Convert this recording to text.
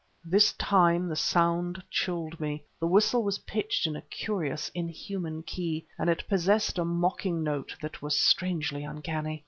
This time the sound chilled me. The whistle was pitched in a curious, inhuman key, and it possessed a mocking note that was strangely uncanny.